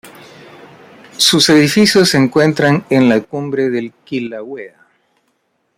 Sus edificios se encuentran en la cumbre del Kilauea.